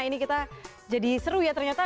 ini kita jadi seru ya ternyata